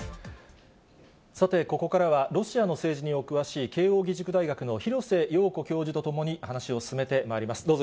さて、ここからはロシアの政治にお詳しい、慶応義塾大学の廣瀬陽子教授と共に話を進めてまいります。